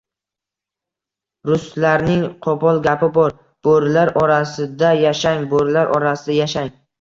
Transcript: Ruslarning qo'pol gapi bor: "bo'rilar orasida yashang, bo'rilar orasida yashang"